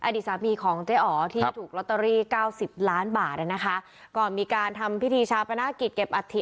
อดีตสามีของเจ๊อ๋อที่ถูกลอตเตอรี่เก้าสิบล้านบาทอ่ะนะคะก็มีการทำพิธีชาปนากิจเก็บอัฐิ